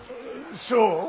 そう？